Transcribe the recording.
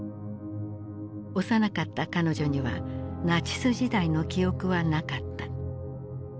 幼かった彼女にはナチス時代の記憶はなかった。